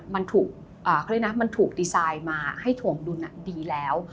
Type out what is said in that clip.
มันถูกดีไซน์มาให้ถวงดุลดีแล้ว